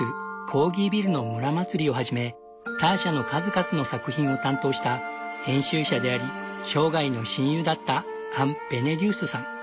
「コーギビルの村まつり」をはじめターシャの数々の作品を担当した編集者であり生涯の親友だったアン・ベネデュースさん。